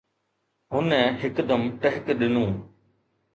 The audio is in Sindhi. هن هڪدم ٽهڪ ڏنو.